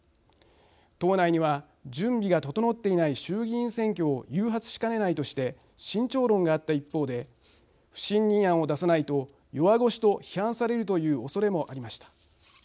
党内には、準備が整っていない衆議院選挙を誘発しかねないとして慎重論があった一方で不信任案を出さないと弱腰と批判されるというおそれもありました。